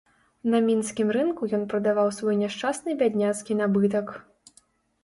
На мінскім рынку ён прадаваў свой няшчасны бядняцкі набытак.